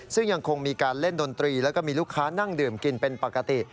ซึ่งยังคงมีการเล่นดนตรีแล้วก็มีลูกค้านั่งดื่มกินเป็นปกติ